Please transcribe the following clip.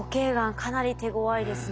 かなり手ごわいですね。